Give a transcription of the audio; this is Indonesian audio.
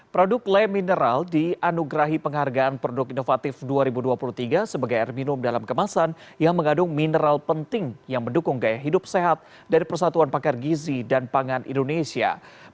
produk le mineral dianugerahi penghargaan produk inovatif dua ribu dua puluh tiga sebagai air minum dalam kemasan yang mengandung mineral penting yang mendukung gaya hidup sehat dari persatuan pakar gizi dan pangan indonesia